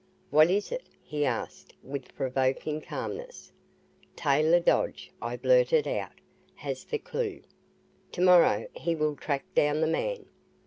"What is it?" he asked with provoking calmness, "Taylor Dodge," I blurted out, "has the clue. To morrow he will track down the man!"